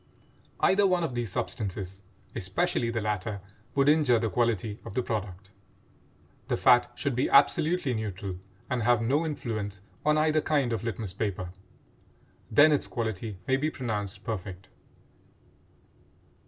Either one of these substances, especially the latter, would injure the quality of the product. The fat should be absolutely neutral and have no influence on either kind of litmus paper; then its quality may be pronounced perfect.